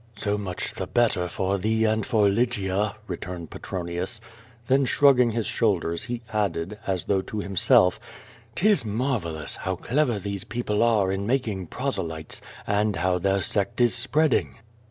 "So much the better for thoe and for Lygia," returned Petronius. Then slirugging his shoulders, he added, as though to himself, "^Tis marvellous, how clever these people are in making proselytes, and how their sect is spreading."